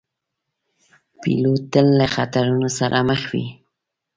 پیلوټ تل له خطرونو سره مخ وي.